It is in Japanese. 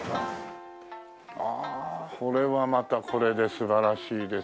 ああこれはまたこれで素晴らしいですわ。